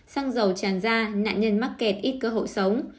xăng dầu tràn ra nạn nhân mắc kẹt ít cơ hội sống